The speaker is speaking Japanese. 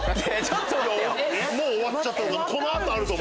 もう終わっちゃった。